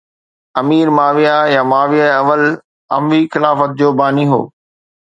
امير Muawiya يا Muawiya اول اموي خلافت جو باني هو